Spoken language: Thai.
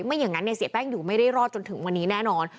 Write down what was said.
ไม่อย่างนั้นเสียแป้งอยู่ไม่ได้รอดจนถึงวันนี้แน่นอน